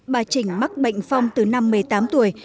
bà trình mắc bệnh phong từ năm một mươi tám tuổi